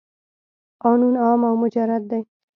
قانون عام او مجرد دی.